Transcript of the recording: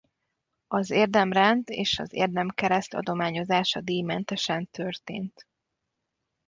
Az Érdemrend és az Érdemkereszt adományozása díjmentesen történt.